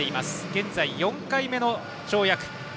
現在４回目の跳躍。